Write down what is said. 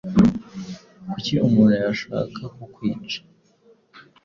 Kuki umuntu yashaka kukwica?